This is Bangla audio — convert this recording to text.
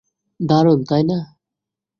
দারুণ, তাই না?